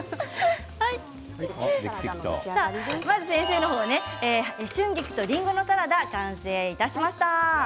先生の方春菊とりんごのサラダが完成いたしました。